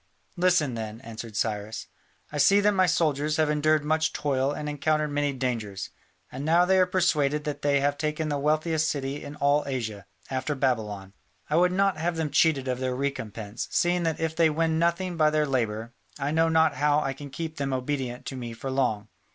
"Listen, then," answered Cyrus: "I see that my soldiers have endured much toil and encountered many dangers, and now they are persuaded that they have taken the wealthiest city in all Asia, after Babylon. I would not have them cheated of their recompense, seeing that if they win nothing by their labour, I know not how I can keep them obedient to me for long.